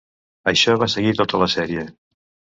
Això va seguir tota la sèrie.